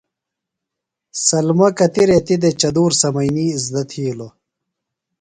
سلمہ کتیۡ ریتی دےۡ چدُور سمینیۡ اِزدہ تھِیلوۡ۔